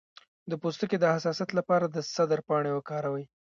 د پوستکي د حساسیت لپاره د سدر پاڼې وکاروئ